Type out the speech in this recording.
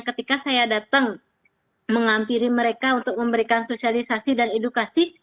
ketika saya datang menghampiri mereka untuk memberikan sosialisasi dan edukasi